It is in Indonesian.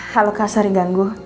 halo kak sari ganggu